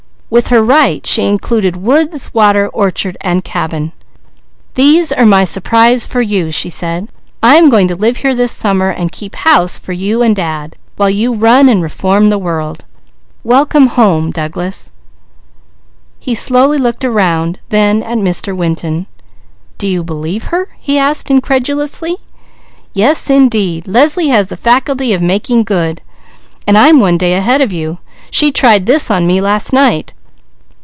With her right she included woods, water, orchard and cabin. "These are my surprise for you," she said. "I am going to live here this summer, and keep house for you and Dad while you run and reform the world. Welcome home, Douglas!" He slowly looked around, then at Mr. Winton. "Do you believe her?" he asked incredulously. "Yes indeed! Leslie has the faculty of making good. And I'm one day ahead of you. She tried this on me last night.